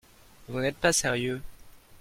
Vous n’êtes pas sérieux